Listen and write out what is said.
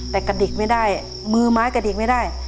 แต่กระดิกไม่ได้มือไม้กระดิกไม่ได้